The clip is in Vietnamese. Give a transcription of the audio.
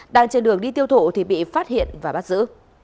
đang trên đường đi tiêu thụ thì bị phát hiện và bắt giữ